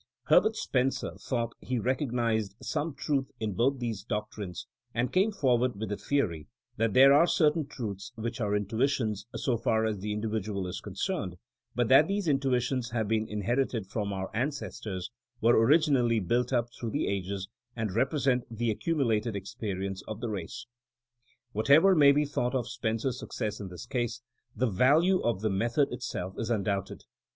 Herbert Spencer thought he recognized some truth in both these doctrines, and came forward with the theory that there are certain truths which are intuitions so far as the individual is concerned, but that these in tuitions have been inherited from our ancestors, were originally built up through the ages, and represent the accumulated experience of the race. Whatever may be thought of Spencer's success in this case, the value of the method it 64 THINKINa AS A SCIENCE self is undoubted.